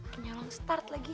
kenyalong start lagi